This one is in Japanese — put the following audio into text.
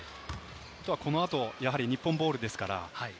このあと、やはり日本ボールですから。